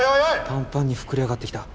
パンパンに膨れ上がってきた。